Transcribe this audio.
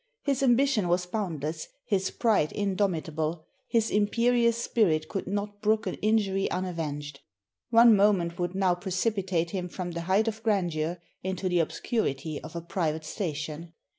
His ambition was boundless, his pride indomitable, his imperious spirit could not brook an injury unavenged. One moment would now precipitate him from the height of grandeur into the obscurity of a private station.